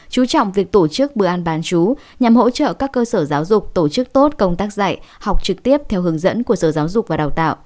chú trọng việc tổ chức bữa ăn bán chú nhằm hỗ trợ các cơ sở giáo dục tổ chức tốt công tác dạy học trực tiếp theo hướng dẫn của sở giáo dục và đào tạo